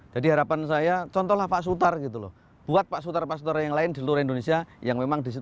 jadi harapan saya contohlah pak sutari gitu loh buat pak sutari pak sutari yang lain di luar indonesia yang memang di sini